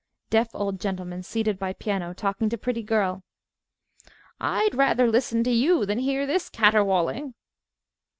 DEAF OLD GENTLEMAN (seated by piano, talking to pretty girl) I'd rather listen to you than hear this caterwauling.